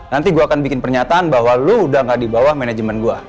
nanti gue akan bikin pernyataan bahwa lu udah gak di bawah manajemen gue